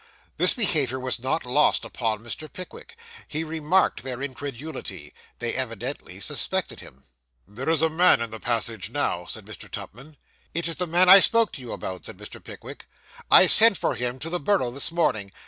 This behaviour was not lost upon Mr. Pickwick. He remarked their incredulity. They evidently suspected him. 'There is a man in the passage now,' said Mr. Tupman. 'It's the man I spoke to you about,' said Mr. Pickwick; 'I sent for him to the Borough this morning.